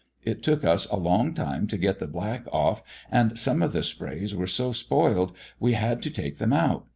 It took us a long time to get the black off, and some of the sprays were so spoiled, we had to take them out.